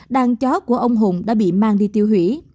đàn chó của ông hùng đã bị mang đi tiêu hủy